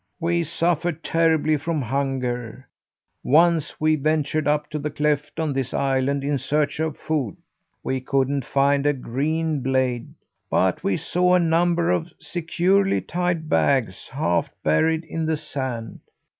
"We suffered terribly from hunger; once we ventured up to the cleft on this island in search of food. We couldn't find a green blade, but we saw a number of securely tied bags half buried in the sand.